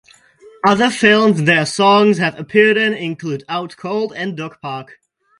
Other films their songs have appeared in include "Out Cold", and "Dog Park".